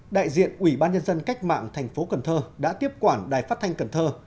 đại diện ủy ban nhân dân cách mạng thành phố cần thơ đã tiếp quản đài phát thanh cần thơ